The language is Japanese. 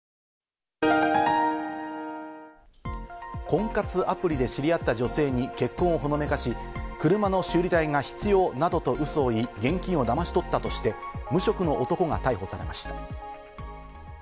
婚活アプリで知り合った女性に結婚をほのめかし、車の修理代が必要などとウソを言い、現金をだまし取ったとして無職の男が逮捕されました。